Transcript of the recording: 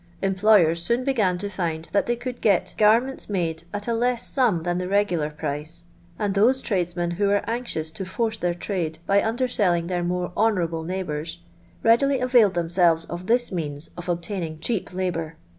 Employers sonn began to iind that they could get garments made at a less sum than the regular price, and those tradesmen who were anxious to force their trade, by underselling their more honoarable neighbours, readily availed themselves of this means of obtaining cheap labour.